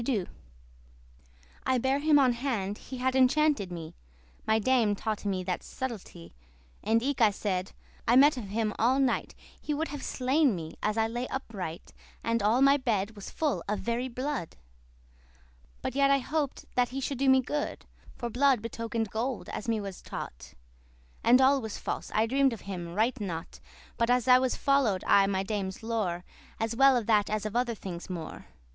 * *done [*I bare him on hand* he had enchanted me *falsely assured him* (My dame taughte me that subtilty); And eke I said, I mette* of him all night, *dreamed He would have slain me, as I lay upright, And all my bed was full of very blood; But yet I hop'd that he should do me good; For blood betoken'd gold, as me was taught. And all was false, I dream'd of him right naught, But as I follow'd aye my dame's lore, As well of that as of other things more.